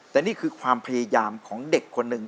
แต่นี่คือความพยายามของเด็กคนหนึ่ง